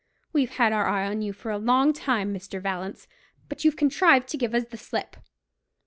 We've had our eye on you for a long time, Mr. Vallance; but you've contrived to give us the slip.